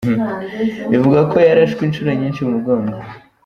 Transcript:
Bivugwa ko yarashwe incuro nyinshi mu mugongo.